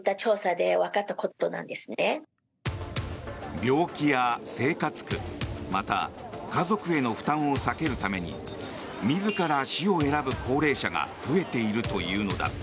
病気や生活苦また家族への負担を避けるために自ら死を選ぶ高齢者が増えているというのだ。